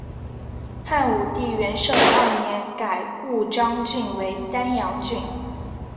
汉武帝元狩二年改故鄣郡为丹阳郡。